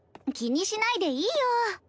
気にしないでいいよ。